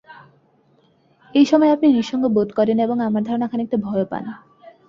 এই সময় আপনি নিঃসঙ্গ বোধ করেন এবং আমার ধারণা খানিকটা ভয়ও পান।